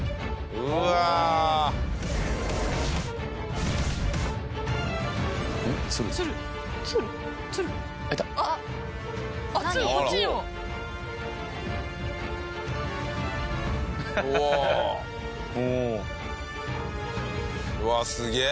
うわーすげえ！